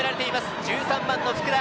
１３番・福田。